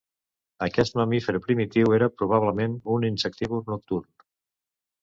Aquest mamífer primitiu era probablement un insectívor nocturn.